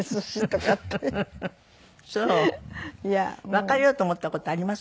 別れようと思った事あります？